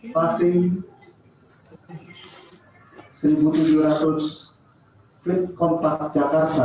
pasing satu tujuh ratus flip kontak jakarta